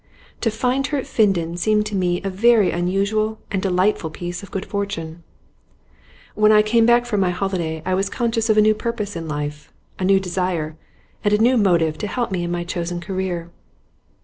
To find her at Finden seemed to me a very unusual and delightful piece of good fortune. When I came back from my holiday I was conscious of a new purpose in life, a new desire and a new motive to help me on in my chosen career.